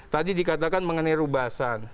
tadi dikatakan mengenai rubasan